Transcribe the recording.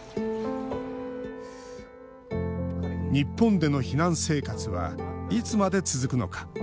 日本での避難生活はいつまで続くのか。